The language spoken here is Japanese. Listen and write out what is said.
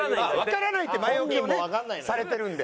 わからないって前置きをねされてるので。